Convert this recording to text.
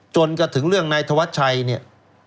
จนกระถึงเรื่องนายธวัดชัย